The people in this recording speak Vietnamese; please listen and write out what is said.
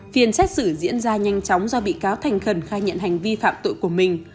phiên xét xử diễn ra nhanh chóng do bị cáo thành khẩn khai nhận hành vi phạm tội của mình